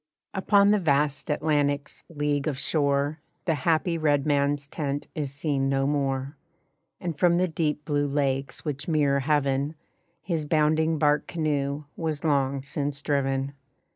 Upon the vast Atlantic's leagues of shore The happy red man's tent is seen no more; And from the deep blue lakes which mirror heaven His bounding bark canoe was long since driven.